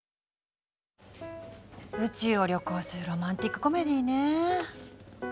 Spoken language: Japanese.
宇宙を旅行するロマンチックコメディーね。